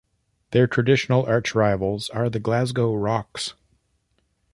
Their traditional arch rivals are the Glasgow Rocks.